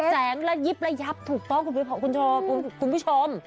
แสงระยิบระยับถูกต้องคุณผู้ชม